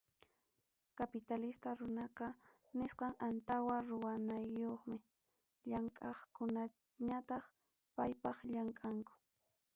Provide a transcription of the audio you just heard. Capitalista runaqa nisqam antawa ruwanayuqmi, llamkaqkunañataq paypaq llamkanku.